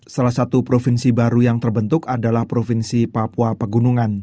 salah satu provinsi baru yang terbentuk adalah provinsi papua pegunungan